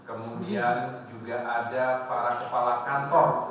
kemudian juga ada para kepala kantor wilayah bpn jawa timur